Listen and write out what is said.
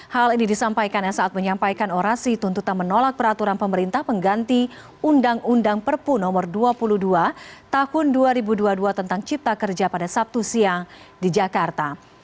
hal ini disampaikannya saat menyampaikan orasi tuntutan menolak peraturan pemerintah pengganti undang undang perpu nomor dua puluh dua tahun dua ribu dua puluh dua tentang cipta kerja pada sabtu siang di jakarta